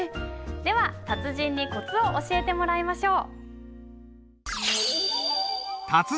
では達人にコツを教えてもらいましょう。